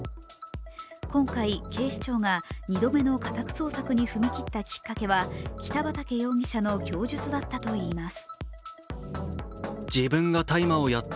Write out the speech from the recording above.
今回、警視庁が２度目の家宅捜索に踏み切ったきっかけは北畠容疑者の供述だったといいます。